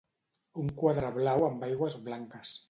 un quadre blau amb aigües blanques